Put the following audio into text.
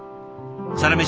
「サラメシ」